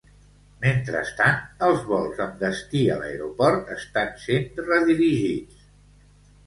Mentrestant, els vols amb destí a l'Aeroport estan sent redirigits.